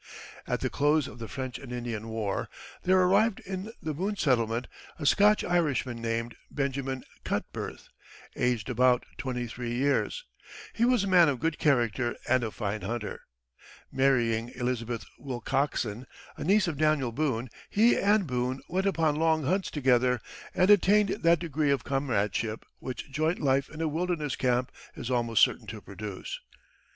At the close of the French and Indian War there arrived in the Boone settlement a Scotch Irishman named Benjamin Cutbirth, aged about twenty three years. He was a man of good character and a fine hunter. Marrying Elizabeth Wilcoxen, a niece of Daniel Boone, he and Boone went upon long hunts together, and attained that degree of comradeship which joint life in a wilderness camp is almost certain to produce.